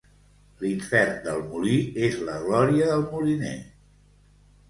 L'infern del molí és la glòria del moliner.